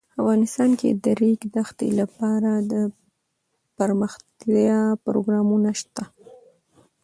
افغانستان کې د د ریګ دښتې لپاره دپرمختیا پروګرامونه شته.